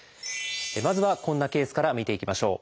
まずはこんなケースから見ていきましょう。